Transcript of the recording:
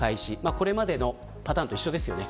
これまでのパターンと一緒です。